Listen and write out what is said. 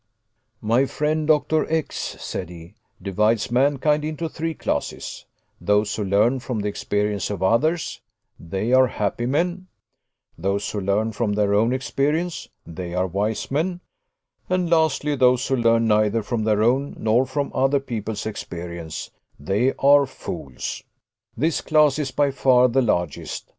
"My friend, Dr. X ," said he, "divides mankind into three classes: those who learn from the experience of others they are happy men; those who learn from their own experience they are wise men; and, lastly, those who learn neither from their own nor from other people's experience they are fools. This class is by far the largest.